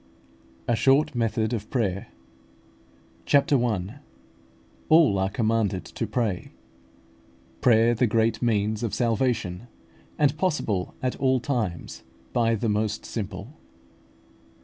A SHORT METHOD OF PRAYER. CHAPTER I. ALL ARE COMMANDED TO PRAY PRAYER THE GREAT MEANS OF SALVATION, AND POSSIBLE AT ALL TIMES BY THE MOST SIMPLE.